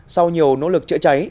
sau nhiều nỗ lực chữa cháy